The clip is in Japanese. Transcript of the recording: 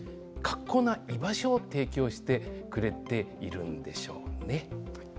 格好な居場所を提供してくれているんでしょうね。